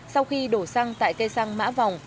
sau khi đổ xăng tại cây xăng mã vòng